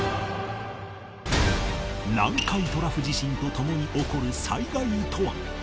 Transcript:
南海トラフ地震と共に起こる災害とは？